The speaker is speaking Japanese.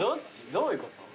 どういうこと？